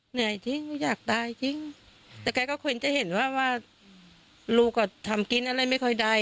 เหนื่อยทิ้งหนูอยากตายจริงแต่แกก็ควรจะเห็นว่าว่าลูกก็ทำกินอะไรไม่ค่อยได้